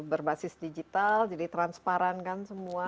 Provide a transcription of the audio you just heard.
ya itu berbasis digital jadi transparan kan semua